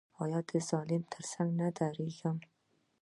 زه د ظالم تر څنګ نه درېږم.